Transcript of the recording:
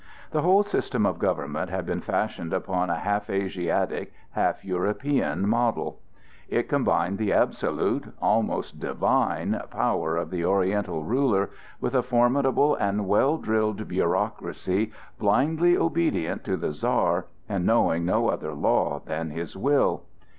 The whole system of government had been fashioned upon a half Asiatic, half European model; it combined the absolute—almost divine—power of the Oriental ruler with a formidable and well drilled bureaucracy blindly obedient to the Czar and knowing no other law than his will.